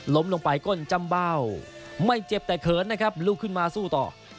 ลงไปก้นจำเบ้าไม่เจ็บแต่เขินนะครับลุกขึ้นมาสู้ต่อ